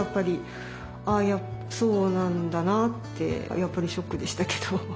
やっぱりショックでしたけど。